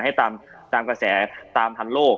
ให้ตามกระแสตามพันโลก